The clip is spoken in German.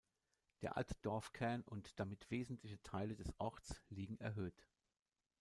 Der alte Dorfkern und damit wesentliche Teile des Orts liegen erhöht.